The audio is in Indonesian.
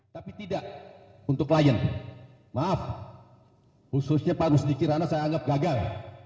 tapi tidak untuk klien maaf khususnya pak gus dikirana saya anggap gagal